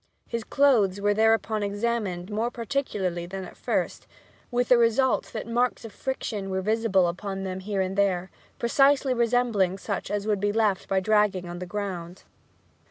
His clothes were thereupon examined more particularly than at first, with the result that marks of friction were visible upon them here and there, precisely resembling such as would be left by dragging on the ground.